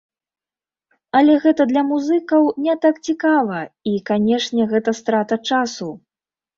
Але гэта для музыкаў не так цікава, і, канешне, гэта страта часу.